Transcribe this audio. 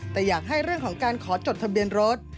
แต่อยากให้เรื่องของการขอจดทะเบียนรถ